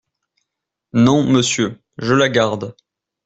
Non, monsieur, je la garde !…